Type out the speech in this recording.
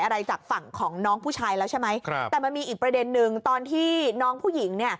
อะไรจากฝั่งของน้องผู้ชายแล้วใช่ไหมครับแต่มันมีอีกประเด็นนึงตอนที่น้องผู้หญิงเนี่ย